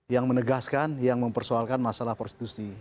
yang menegaskan yang mempersoalkan masalah prostitusi